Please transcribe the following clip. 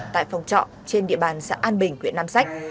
tại phòng trọ trên địa bàn xã an bình huyện nam sách